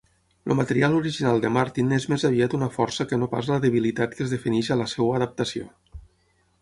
El material original de Martin és més aviat una força que no pas la debilitat que es defineix a la seva adaptació.